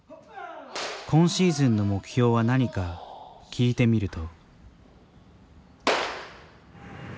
今シーズンの目標は何か聞いてみると。